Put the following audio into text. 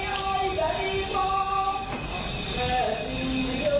และถึงต่างเมื่อ